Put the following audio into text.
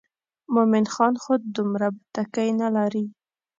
مومن خان خو دومره بتکۍ نه لري.